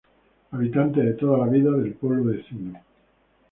Habitante de toda la vida del pueblo vecino.